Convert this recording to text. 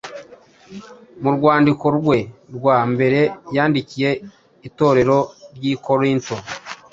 Mu rwandiko rwe rwa mbere yandikiye Itorero ry’i Korinto,